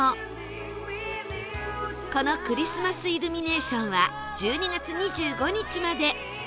このクリスマスイルミネーションは１２月２５日まで